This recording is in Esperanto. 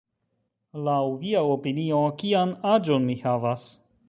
Laŭ via opinio, kian aĝon mi havas?